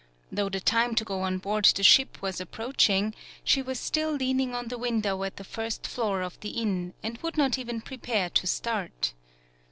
Though the time to go on board the ship was approaching, she was still lean ing on the window at the first floor of the inn, and would not even prepare to start.